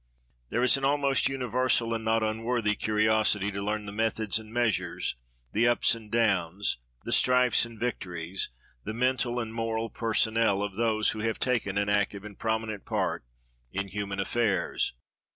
There is an almost universal, and not unworthy curiosity to learn the methods and measures, the ups and downs, the strifes and victories, the mental and moral personnel of those who have taken an active and prominent part in human affairs.